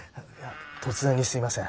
突然にすいません。